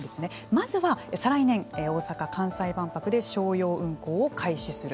まずは再来年、大阪・関西万博で商用運航を開始する。